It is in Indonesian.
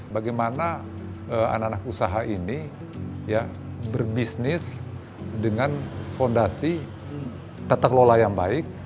bagaimana anak anak usaha ini berbisnis dengan fondasi tata kelola yang baik